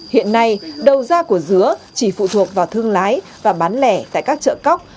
hiện nay đầu ra của dứa chỉ phụ thuộc vào thương lái và bán lẻ tại các chợ cóc